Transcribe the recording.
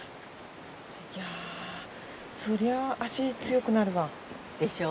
いやそりゃ脚強くなるわ。でしょう？